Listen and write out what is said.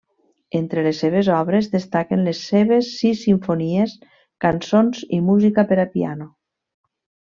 Entre les seves obres destaquen les seves sis simfonies, cançons i música per a piano.